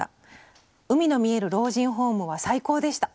「海の見える老人ホームは最高でした。